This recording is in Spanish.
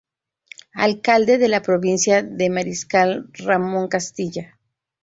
Alcalde de la Provincia de Mariscal Ramón Castilla.